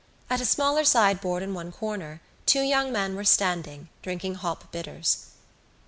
At a smaller sideboard in one corner two young men were standing, drinking hop bitters.